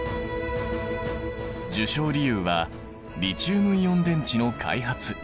受賞理由はリチウムイオン電池の開発。